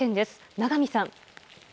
永見さん。